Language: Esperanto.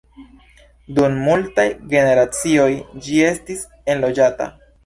Dum multaj generacioj ĝi estis enloĝata.